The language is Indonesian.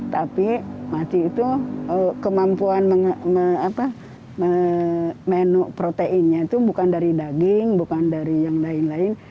tapi mati itu kemampuan menu proteinnya itu bukan dari daging bukan dari yang lain lain